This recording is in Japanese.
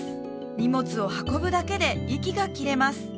荷物を運ぶだけで息が切れます